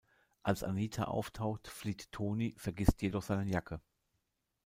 Als Anita auftaucht, flieht Tony, vergisst jedoch seine Jacke.